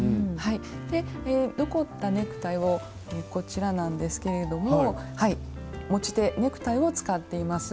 で残ったネクタイをこちらなんですけれども持ち手ネクタイを使っています。